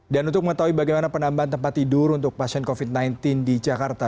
dan untuk mengetahui bagaimana penambahan tempat tidur untuk pasien covid sembilan belas di jakarta